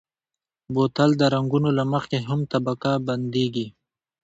بوتل د رنګونو له مخې هم طبقه بندېږي.